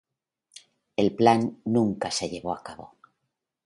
El plan nunca se llevó a cabo.